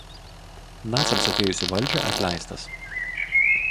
Naciams atėjus į valdžią atleistas.